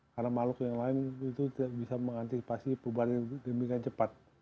karena makhluk yang lain itu tidak bisa mengantisipasi perubahan yang cepat